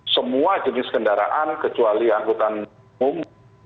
semua jenis kendaraan kecuali angkutan umum